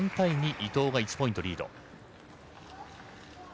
伊藤が１ポイントリード。